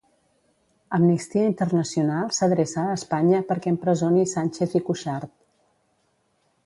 Amnistia Internacional s'adreça a Espanya perquè empresoni Sànchez i Cuixart.